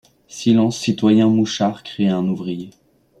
Silence, citoyen mouchard! cria un ouvrier.